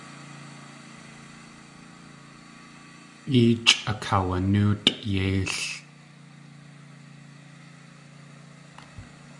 Éechʼ akaawanóotʼ Yéil.